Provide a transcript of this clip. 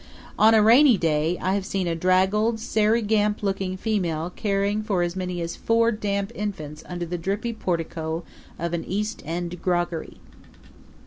On a rainy day I have seen a draggled, Sairey Gamp looking female caring for as many as four damp infants under the drippy portico of an East End groggery.